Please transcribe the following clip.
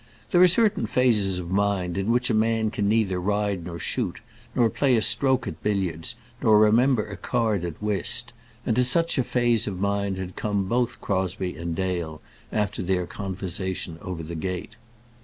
There are certain phases of mind in which a man can neither ride nor shoot, nor play a stroke at billiards, nor remember a card at whist, and to such a phase of mind had come both Crosbie and Dale after their conversation over the gate.